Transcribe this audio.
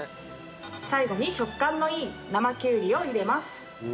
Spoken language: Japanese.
最後に食感のいい生きゅうりを入れます。